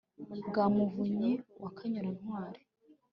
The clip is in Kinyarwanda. bwa muvunyi wa kanyura ntwari,